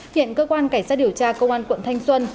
hiện cơ quan cảnh sát điều tra công an quận thanh xuân